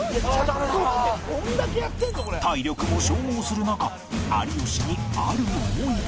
体力も消耗する中有吉にある思いが